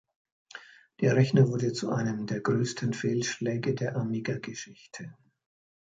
Der Rechner wurde zu einem der größten Fehlschläge der Amiga-Geschichte.